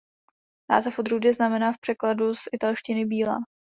Název odrůdy znamená v překladu z italštiny „bílá“.